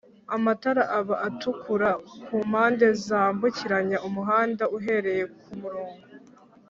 Amatara aba atukura ku mpande zambukiranya umuhanda uhereye k umurongo